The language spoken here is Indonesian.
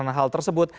karena hal tersebut